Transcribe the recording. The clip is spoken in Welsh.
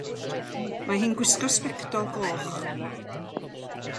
Mae hi'n gwisgo sbectol goch.